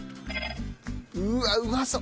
うわうまそう！